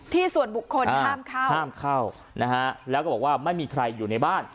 ที่ส่วนบุคคลห้ามเข้าแล้วก็บอกว่าไม่มีใครอยู่ในบ้าน